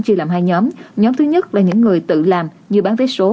chia làm hai nhóm nhóm thứ nhất là những người tự làm như bán vé số